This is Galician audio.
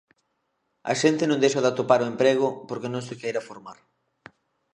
A xente non deixa de atopar o emprego porque non se queira formar.